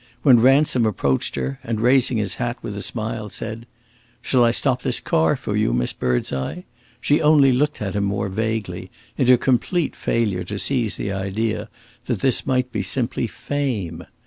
When Ransom approached her and, raising his hat with a smile, said, "Shall I stop this car for you, Miss Birdseye?" she only looked at him more vaguely, in her complete failure to seize the idea that this might be simply Fame.